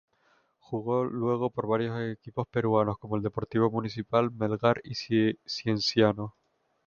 Jugó luego por varios equipos peruanos como el Deportivo Municipal, Melgar y Cienciano.